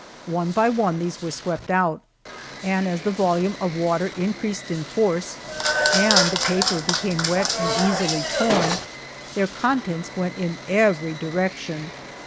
One by one these were swept out, and as the volume of water increased in force and the paper became wet and easily torn, their contents went in every direction.